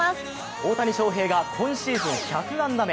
大谷翔平が今シーズン１００安打目。